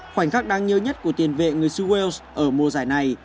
khoảnh khắc đáng nhớ nhất của tiền vệ người su wales ở mùa giải này